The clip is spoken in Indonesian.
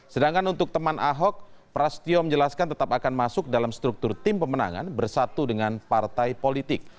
sedangkan untuk teman ahok prasetyo menjelaskan tetap akan masuk dalam struktur tim pemenangan bersatu dengan partai politik